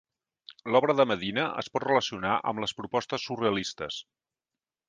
L’obra de Medina es pot relacionar amb les propostes surrealistes.